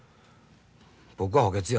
僕は補欠や。